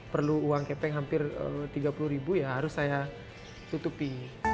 perlu uang kepeng hampir tiga puluh ribu ya harus saya tutupi